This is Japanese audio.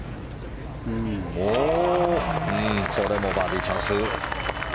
これもバーディーチャンス。